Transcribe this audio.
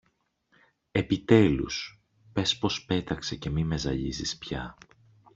Επιτέλους πες πως πέταξε και μη με ζαλίζεις πια